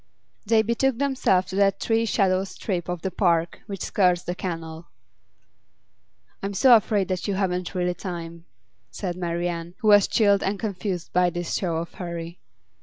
They betook themselves to that tree shadowed strip of the park which skirts the canal. 'I'm so afraid that you haven't really time,' said Marian, who was chilled and confused by this show of hurry.